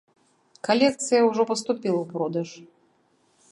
Калекцыя ўжо паступіла ў продаж.